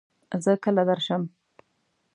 زۀ کله درشم ؟